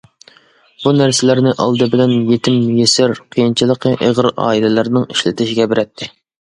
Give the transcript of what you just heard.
بۇ نەرسىلەرنى ئالدى بىلەن يېتىم يېسىر، قىيىنچىلىقى ئېغىر ئائىلىلەرنىڭ ئىشلىتىشىگە بېرەتتى.